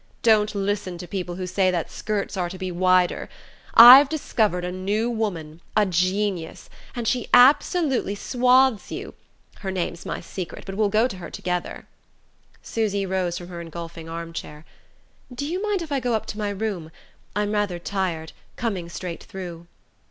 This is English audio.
Don't listen to people who say that skirts are to be wider. I've discovered a new woman a Genius and she absolutely swathes you.... Her name's my secret; but we'll go to her together." Susy rose from her engulphing armchair. "Do you mind if I go up to my room? I'm rather tired coming straight through."